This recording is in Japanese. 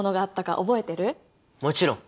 もちろん！